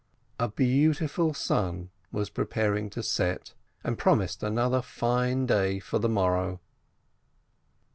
A beautiful sun was preparing to set, and promised another fine day for the morrow.